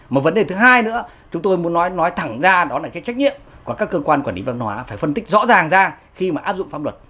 một vấn đề thứ hai nữa chúng tôi muốn nói nói thẳng ra đó là cái trách nhiệm của các cơ quan quản lý văn hóa phải phân tích rõ ràng ra khi mà áp dụng pháp luật